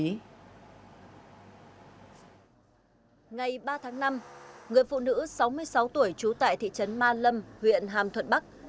ngày ba tháng năm người phụ nữ sáu mươi sáu tuổi trú tại thị trấn ma lâm huyện hàm thuận bắc